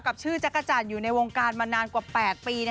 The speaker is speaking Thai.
กับชื่อจักรจันทร์อยู่ในวงการมานานกว่า๘ปี